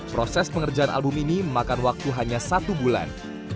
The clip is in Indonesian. proses pengerjaan album ini memakan waktu hanya satu bulan